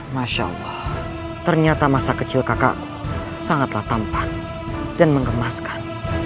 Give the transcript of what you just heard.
masya allah ternyata masa kecil kakak sangatlah tampan dan mengemaskan